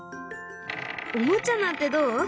おもちゃなんてどう？